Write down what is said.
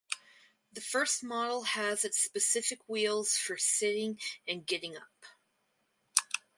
The first model has its specific wheels for sitting and getting up.